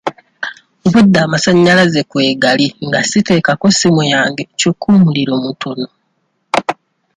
Obwedda amasannyalaze kwegali nga siteekako ssimu yange kyokka omuliro mutono.